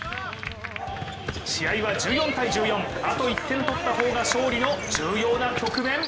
試合は１４−１５あと１点取ったほうが勝利の重要な局面。